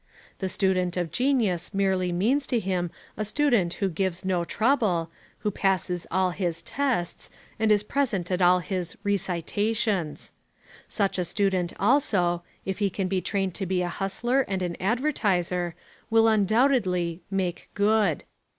The student of genius merely means to him a student who gives no trouble, who passes all his "tests," and is present at all his "recitations." Such a student also, if he can be trained to be a hustler and an advertiser, will undoubtedly "make good."